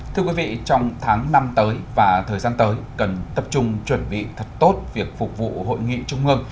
thưa quý vị trong tháng năm tới và thời gian tới cần tập trung chuẩn bị thật tốt việc phục vụ hội nghị trung ương